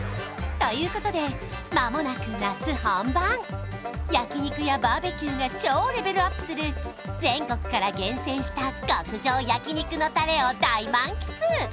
ということで間もなく夏本番焼肉やバーベキューが超レベルアップする全国から厳選した極上焼肉のタレを大満喫！